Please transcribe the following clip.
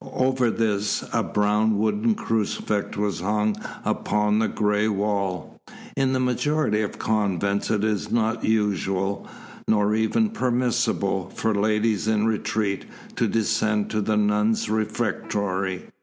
Over this a brown wooden crucifix was hung upon the gray wall. In the majority of convents it is not usual, nor even permissible, for ladies in retreat to descend to the nuns' refectory.